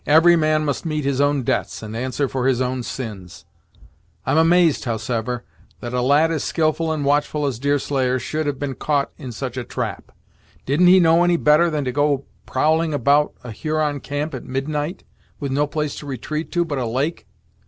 "Every man must meet his own debts, and answer for his own sins. I'm amazed, howsever, that a lad as skilful and watchful as Deerslayer should have been caught in such a trap! Didn't he know any better than to go prowling about a Huron camp at midnight, with no place to retreat to but a lake?